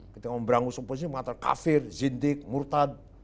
kita memberangus oposisi mengatakan kafir zindik murtad